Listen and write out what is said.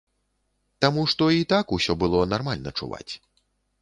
Таму што і так усё было нармальна чуваць.